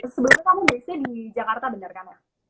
sebelumnya kamu base nya di jakarta bener kan ya